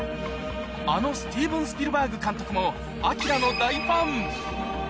あのスティーブン・スピルバーグ監督も、ＡＫＩＲＡの大ファン。